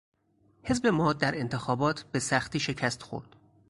حزب ما در انتخابات به سختی شکست خورد.